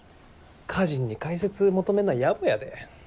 歌人に解説求めんのはやぼやで。